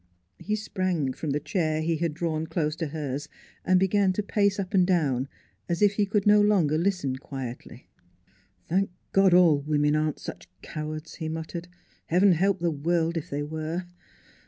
He sprang from the chair he had drawn close to hers and began to pace up and down, as if he could no longer listen quietly. 2i 4 NEIGHBORS " Thank God all women aren't such cowards! " he muttered. " Heaven help the world, if they were